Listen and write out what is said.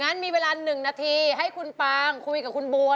งั้นมีเวลาหนึ่งนาทีให้คุณปังคุยกับคุณบัวนะคะ